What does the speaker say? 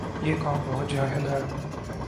یہ قوم بہت جاہل ھے